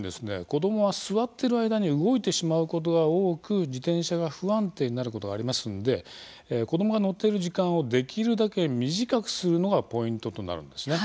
子供は座ってる間に動いてしまうことが多く自転車が不安定になることがありますんで子供が乗っている時間をできるだけ短くするのがポイントとなるんですね。